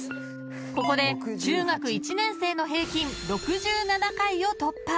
［ここで中学１年生の平均６７回を突破］